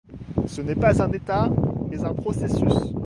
Ce n'est pas un état, mais un processus.